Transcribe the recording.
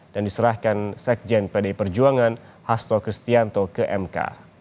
dan diserahkan sekjen pd perjuangan hasto kristianto ke mk